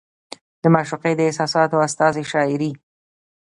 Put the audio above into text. د معشوقې د احساساتو استازې شاعري